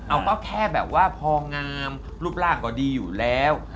เอาก็แค่แบบว่าพองามรูปร่างก็ดีอยู่แล้ว